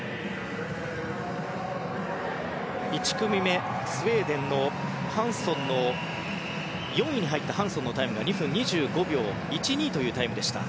１組目、スウェーデンの４位に入ったハンソンは２分２２秒１２というタイムでした。